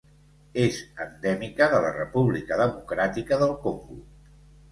És endèmica de República Democràtica del Congo.